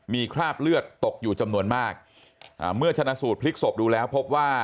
มีคราบเลือดตกอยู่จำนวนมากอ่าเมื่อชนะสูตรพลิกศพดูแล้วพบว่า